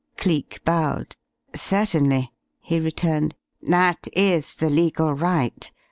Cleek bowed. "Certainly," he returned. "That is the legal right.